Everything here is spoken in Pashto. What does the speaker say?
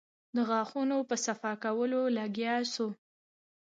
د غاښونو په صفا کولو لگيا سو.